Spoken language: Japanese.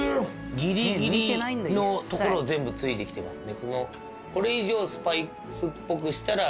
ギリギリのところを全部突いて来てますね。